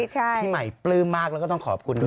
พี่ใหม่ปลื้มมากแล้วก็ต้องขอบคุณด้วย